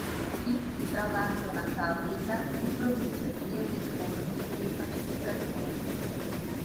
Lì si trova anche una fabbrica che produce le uniformi dei pacificatori.